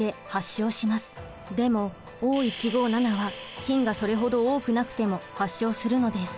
でもＯ１５７は菌がそれほど多くなくても発症するのです。